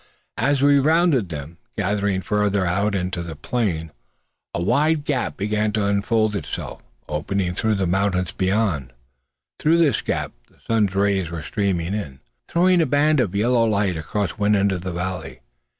As we rounded them, getting farther out into the plain, a wide gap began to unfold itself, opening through the mountains beyond. Through this gap the sun's rays were streaming in, throwing a band of yellow light across one end of the valley.